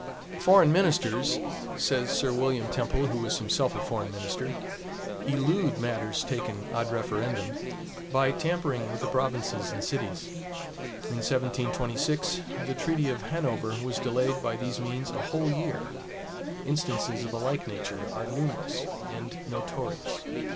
Foreign ministers, says Sir William Temple, who was himself a foreign minister, elude matters taken ad referendum, by tampering with the provinces and cities. In 1726, the treaty of Hanover was delayed by these means a whole year. Instances of a like nature are numerous and notorious.